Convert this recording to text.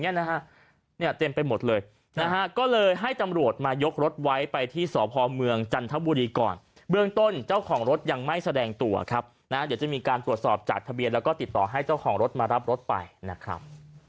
นะฮะเนี่ยเต็มไปหมดเลยนะฮะก็เลยให้ตำรวจมายกรถไว้ไปที่สพเมืองจันทบุรีก่อนเบื้องต้นเจ้าของรถยังไม่แสดงตัวครับนะเดี๋ยวจะมีการตรวจสอบจากทะเบียนแล้วก็ติดต่อให้เจ้าของรถมารับรถไปนะครับ